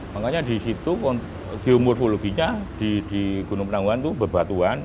makanya di situ geomorfologinya di gunung penanggungan itu bebatuan